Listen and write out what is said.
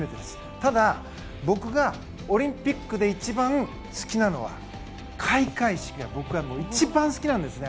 ただ、僕がオリンピックで一番好きなのは開会式が僕は一番好きなんですね。